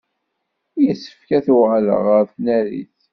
Yessefk ad uɣaleɣ ɣer tnarit.